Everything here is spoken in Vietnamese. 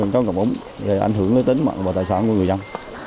có ngọc úng để ảnh hưởng tới tính và tài sản của người dân